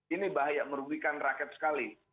ini bahaya merugikan rakyat sekali